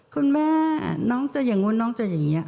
คุณแม่น้องจะอย่างนู้นน้องจะอย่างนี้